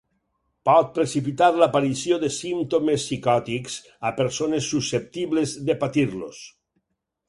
Pot precipitar l'aparició de símptomes psicòtics a persones susceptibles de patir-los.